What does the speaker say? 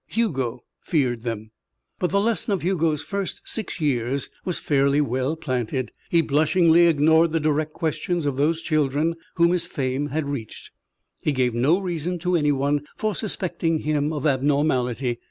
Hugo feared them. But the lesson of Hugo's first six years was fairly well planted. He blushingly ignored the direct questions of those children whom his fame had reached. He gave no reason to anyone for suspecting him of abnormality.